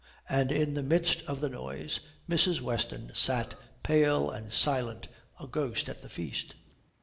And in the midst of the noise Mrs. Weston sat, pale and silent, a ghost at the feast.